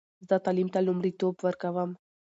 زه تعلیم ته لومړیتوب ورکوم.